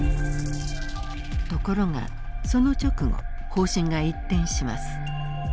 ところがその直後方針が一転します。